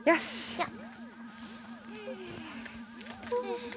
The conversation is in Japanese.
じゃあ！